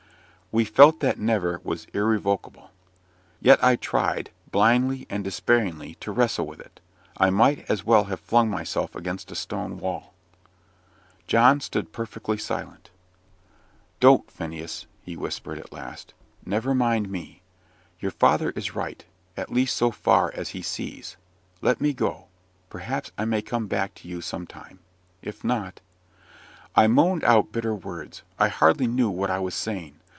We felt that "never" was irrevocable. Yet I tried, blindly and despairingly, to wrestle with it; I might as well have flung myself against a stone wall. John stood perfectly silent. "Don't, Phineas," he whispered at last; "never mind me. Your father is right at least so far as he sees. Let me go perhaps I may come back to you some time. If not " I moaned out bitter words I hardly knew what I was saying.